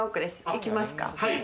行きますか？